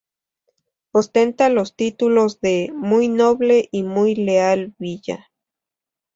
Ostenta los títulos de "Muy noble y muy leal villa".